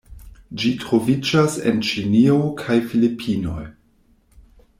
Ĝi troviĝas en Ĉinio kaj Filipinoj.